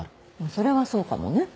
それはそうかもね。